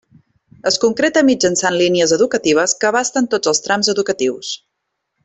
Es concreta mitjançant línies educatives que abasten tots els trams educatius.